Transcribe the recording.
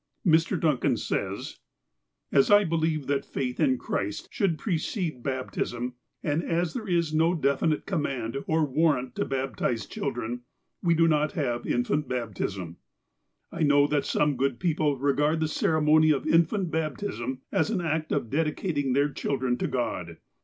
Mr. Duncan says : "As I believe that faith in Christ should precede baptism, and as there is no definite command or warrant to baptize chil dren — we do not have infant baptism. "I know that some good people regard the ceremony of in fant baptism as an act of dedicating their children to God.